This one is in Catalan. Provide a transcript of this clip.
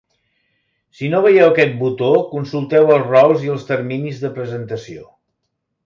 Si no veieu aquest botó consulteu els rols i els terminis de presentació.